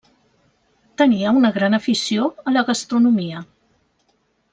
Tenia una gran afició a la gastronomia.